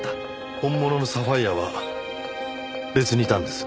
本物のサファイアは別にいたんです。